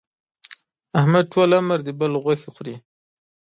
احمد ټول عمر د بل غوښې خوري.